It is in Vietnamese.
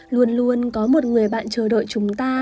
luôn luôn có một người bạn chờ đợi chúng ta